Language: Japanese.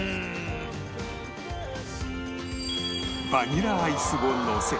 バニラアイスをのせ